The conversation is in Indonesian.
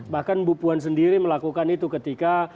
bahkan bu puan sendiri melakukan itu ketika